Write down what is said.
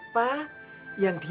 ma ya sudah